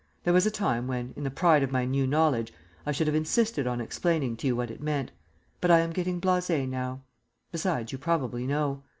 There was a time when, in the pride of my new knowledge, I should have insisted on explaining to you what it meant, but I am getting blasé now; besides, you probably know.